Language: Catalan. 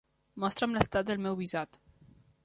Mostra'm l'estat del meu visat.